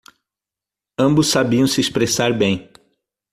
Ambos sabiam se expressar bem.